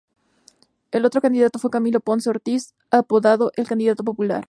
El otro candidato fue Camilo Ponce Ortiz, apodado "El Candidato Popular".